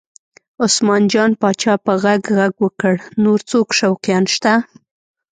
عثمان جان پاچا په غږ غږ وکړ نور څوک شوقیان شته؟